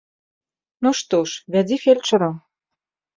Ну, што ж, вядзі фельчара.